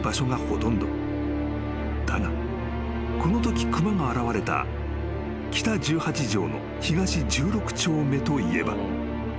［だがこのとき熊が現れた北十八条の東１６丁目といえば］